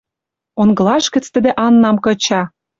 Онгылаш гӹц тӹдӹ Аннам кыча